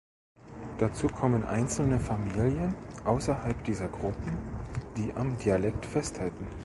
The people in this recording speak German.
Dazu kommen einzelne Familien außerhalb dieser Gruppen, die am Dialekt festhalten.